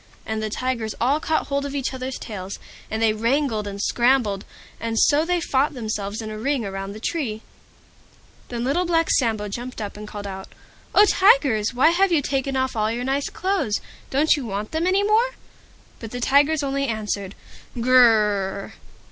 And the Tigers all caught hold of each other's tails, as they wrangled and scrambled, and so they found themselves in a ring round the tree. Then, when the Tigers were very wee and very far away, Little Black Sambo jumped up, and called out, "Oh! Tigers! why have you taken off all your nice clothes? Don't you want them any more?" But the Tigers only answered, "Gr r rrrr!"